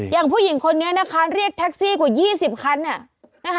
อย่างผู้หญิงคนนี้นะคะเรียกแท็กซี่กว่า๒๐คัน